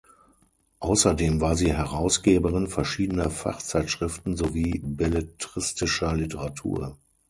Außerdem war sie Herausgeberin verschiedener Fachzeitschriften sowie belletristischer Literatur.